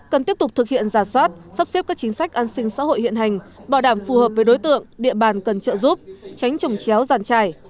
cần tiếp tục thực hiện giả soát sắp xếp các chính sách an sinh xã hội hiện hành bảo đảm phù hợp với đối tượng địa bàn cần trợ giúp tránh trồng chéo giàn trải